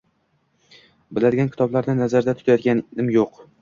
Biladigan kitoblarni nazarda tutayotganim yo’q